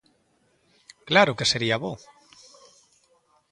Claro que sería bo!